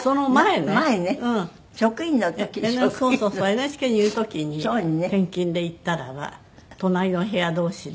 ＮＨＫにいる時に転勤で行ったらば隣の部屋同士で。